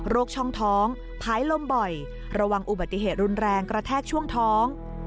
ช่องท้องพายลมบ่อยระวังอุบัติเหตุรุนแรงกระแทกช่วงท้อง